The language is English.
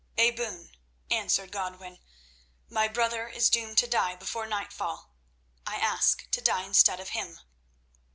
"A boon," answered Godwin. "My brother is doomed to die before nightfall. I ask to die instead of him."